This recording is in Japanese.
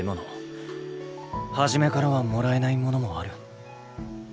初めからはもらえないものもある。